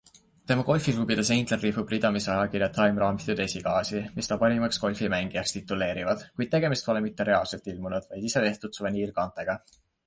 Tema golfiklubide seintel ripub ridamisi ajakirja Time raamitud esikaasi, mis ta parimaks golfimängijaks tituleerivad, kuid tegemist pole mitte reaalselt ilmunud, vaid ise tehtud suveniirkaantega.